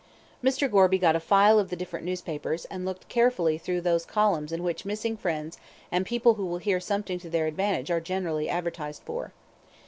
Mr. Gorby got a file of the different newspapers, and looked carefully through those columns in which missing friends and people who will hear "something to their advantage" are generally advertised for.